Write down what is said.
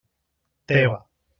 Teva.